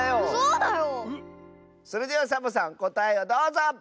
それではサボさんこたえをどうぞ！